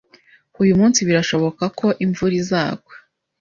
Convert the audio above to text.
Uyu munsi birashoboka ko imvura izagwa.